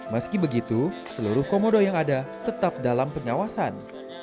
meski begitu seluruh komodo yang ada tetap dalam pengawasan